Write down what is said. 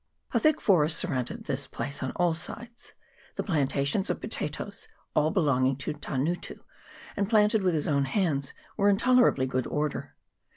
A thick forest surrounded this place on all sides. The plantations of potatoes, all belonging to Tangutu, and planted with his own hands, were in tolerably good order.